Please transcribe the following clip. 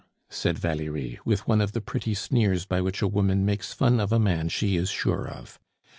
said Valerie, with one of the pretty sneers by which a woman makes fun of a man she is sure of.